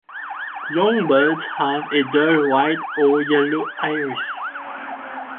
Young birds have a dull white or yellow iris.